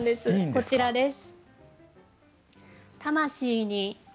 こちらです。